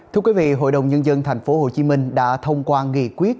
thưa quý vị hội đồng nhân dân thành phố hồ chí minh đã thông qua nghị quyết